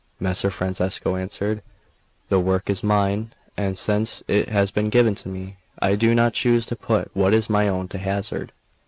Messer Francesco answered: "The work is mine, and since it has been given me, I do not choose to put what is my own to hazard."